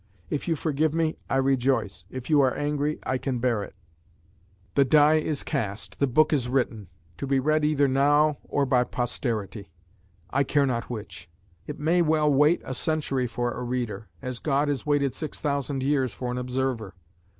If you forgive me, I rejoice, if you are angry, I can bear it; the die is cast, the book is written; to be read either now or by posterity, I care not which; it may well wait a century for a reader, as God has waited six thousand years for an observer."